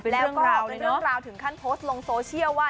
แล้วก็เป็นเรื่องราวถึงขั้นโพสต์ลงโซเชียลว่า